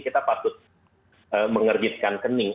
kita patut mengerjitkan kening